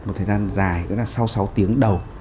một thời gian dài tức là sau sáu tiếng đầu